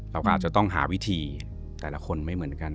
เราก็อาจจะต้องหาวิธีแต่ละคนไม่เหมือนกัน